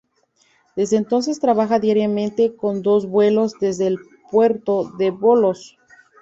Desde entonces trabaja diariamente con dos vuelos desde el puerto de Volos.